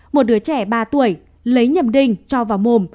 một đứa trẻ ba tuổi lấy nhầm đình cho vào mồm